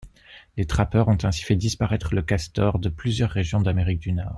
Les trappeurs ont ainsi fait disparaître le castor de plusieurs régions d’Amérique du Nord.